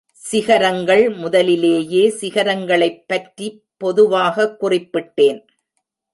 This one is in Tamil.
சிகரங்கள் முதலிலேயே சிகரங்களைப் பற்றிப் பொதுவாகக் குறிப்பிட்டேன்.